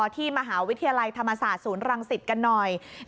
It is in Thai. ที่มหาวิทยาลัยธรรมศาสตร์ศูนย์รังสิตกันหน่อย